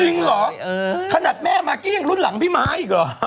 จริงเหรอขนาดแม่มากี้ยังรุ่นหลังพี่ม้าอีกเหรอ